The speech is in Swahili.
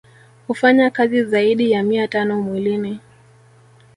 Hufanya kazi zaidi ya mia tano mwilini